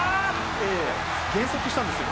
ここで減速したんですよ。